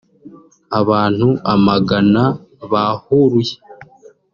Abantu amagana bahuruye